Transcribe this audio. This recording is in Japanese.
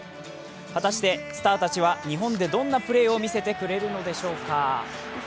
果たして、スターたちは日本でどんなプレーを見せてくれるのでしょうか。